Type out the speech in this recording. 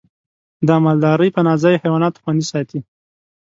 د مالدارۍ پناه ځای حیوانات خوندي ساتي.